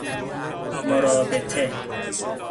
مرابطه